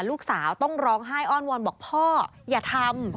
ลูกสาวต้องร้องไห้อ้อนวอนบอกพ่ออย่าทำ